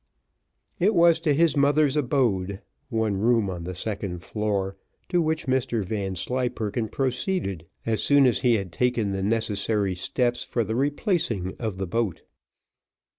It was to his mother's abode, one room on the second floor, to which Mr Vanslyperken proceeded as soon as he had taken the necessary steps for the replacing of the boat.